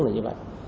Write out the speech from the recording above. là như vậy